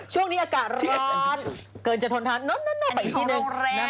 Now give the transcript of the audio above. ช่วงนี้อากาศร้อนเกินจะทนทานไปอีกทีหนึ่ง